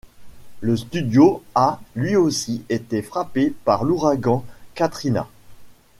Le studio a, lui aussi, été frappé par l'ouragan Katrina.